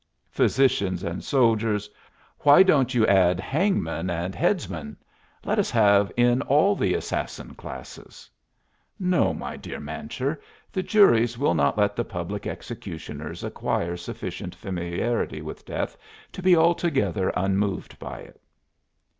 "Physicians and soldiers! why don't you add hangmen and headsmen? Let us have in all the assassin classes." "No, my dear Mancher; the juries will not let the public executioners acquire sufficient familiarity with death to be altogether unmoved by it."